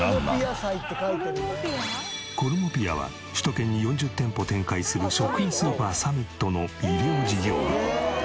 コルモピアは首都圏に４０店舗展開する食品スーパーサミットの衣料事業部。